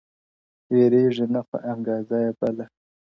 وېريږي نه خو انگازه يې بله ـ